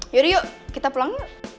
yaudah yuk kita pulang